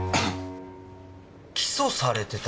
起訴されてた？